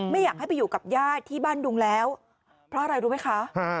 ไม่อยากให้ไปอยู่กับญาติที่บ้านดุงแล้วเพราะอะไรรู้ไหมคะ